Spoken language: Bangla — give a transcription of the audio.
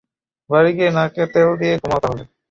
বাড়ি গিয়ে নাকে তেল দিয়ে ঘুমাও তাহলে।